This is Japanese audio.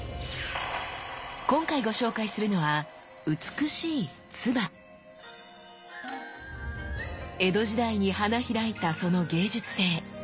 今回ご紹介するのは美しい江戸時代に花開いたその芸術性。